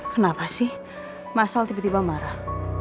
kenapa sih mas al tiba tiba marah